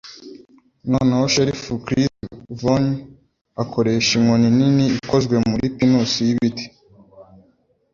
Noneho Sheriff Chris Vaughn, akoresha inkoni nini ikozwe muri pinusi y'ibiti.